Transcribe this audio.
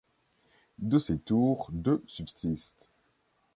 De ces tours, deux subsistent.